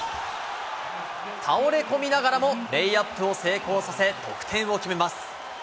倒れ込みながらもレイアップを成功させ、得点を決めます。